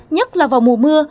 nhất là vào mùa mưa